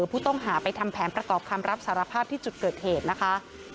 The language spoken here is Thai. ผู้ต้องหาไปทำแผนประกอบคำรับสารภาพที่จุดเกิดเหตุนะคะ